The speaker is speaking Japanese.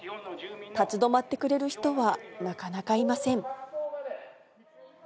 立ち止まってくれる人はなかなかいません。